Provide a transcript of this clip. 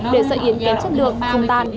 để sợi yến kém chất lượng không tan